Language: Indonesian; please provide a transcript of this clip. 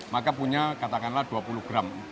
maka punya katakanlah dua puluh gram